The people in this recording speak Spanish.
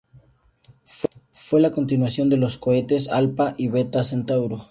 Fue la continuación de los cohetes Alpha y Beta Centauro.